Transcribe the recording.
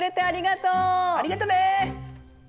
ありがとね！